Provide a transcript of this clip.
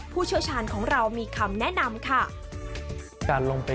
ผู้เชี่ยวชาญของเรามีคำแนะนำค่ะ